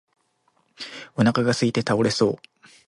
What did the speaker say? お腹がすいて倒れそう